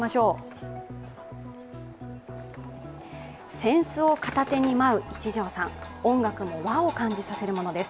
扇子を片手に舞う一条さん、音楽も和を感じさせるものです。